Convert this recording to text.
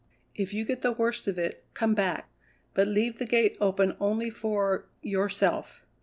"If you get the worst of it, come back; but leave the gate open only for yourself."